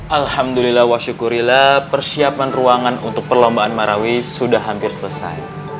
alhamdulillah wasyukurila persiapan ruangan untuk perlombaan marawi sudah hampir selesai